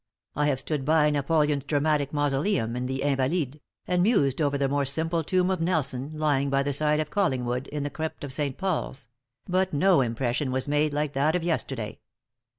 I have stood by Napoleon's dramatic mausoleum in the Invalides, and mused over the more simple tomb of Nelson, lying by the side of Collingwood, in the crypt of St. Paul's; but, no impression was made like that of yesterday.